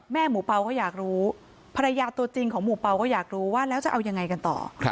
หมูเปล่าก็อยากรู้ภรรยาตัวจริงของหมู่เปล่าก็อยากรู้ว่าแล้วจะเอายังไงกันต่อ